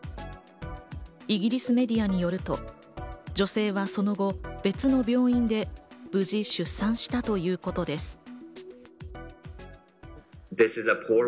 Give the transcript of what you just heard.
イギリスメディアによると、女性はその後、別の病院で無事出産したということです。